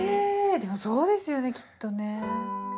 でもそうですよねきっとね。